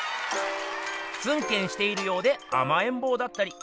ツンケンしているようであまえんぼうだったり。